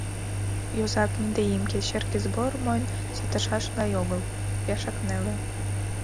Йозак, недоимке, черке сбор мойн чытышаш гай огыл, пешак неле.